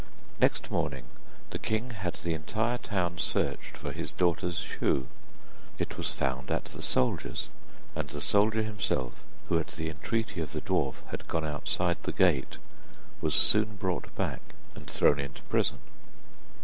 Next morning the king had the entire town searched for his daughter's shoe. It was found at the soldier's, and the soldier himself, who at the entreaty of the dwarf had gone outside the gate, was soon brought back, and thrown into prison.